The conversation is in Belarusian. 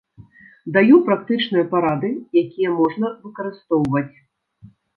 Даю практычныя парады, якія можна выкарыстоўваць.